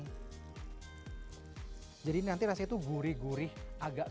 nah ini sudah cukup panas nah jadi triksnya adalah tomat yang sudah kita lubangi tadi kita masukkan ke dalam